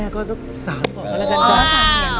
ก็สามารถ